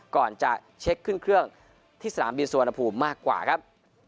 ก่อนจะเช็คขึ้นเครื่องที่สนามบินสุวรรณภูมิมากกว่าครับ